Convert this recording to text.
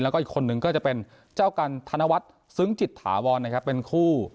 แล้วก็อีกคนนึงก็จะเป็นเจ้ากันธนวัฒน์ซึ้งจิตถาวรนะครับเป็นคู่